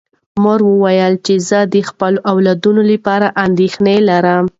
مور وویل چې زه د خپلو اولادونو لپاره اندېښنه لرم.